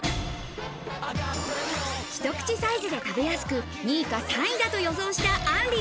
一口サイズで食べやすく、２位か３位だと予想したあんり。